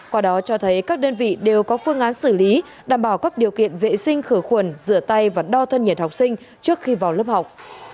quả đó cho thấy các đơn vị đều có phương án xử lý đảm bảo các điều kiện vệ sinh khử khuẩn rửa tay và đo thân nhiệt học sinh trước khi vào lớp học